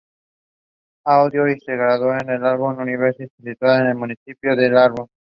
Acudió y se graduó en la Auburn University, situada en el municipio de Auburn.